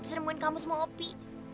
bisa nemuin kamu semua kopi